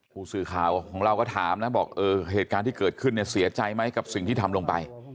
ผู้สื่อข่าวของเราก็ถามนะบอกเออเหตุการณ์ที่เกิดขึ้นเนี่ยเสียใจไหมกับสิ่งที่ทำลงไป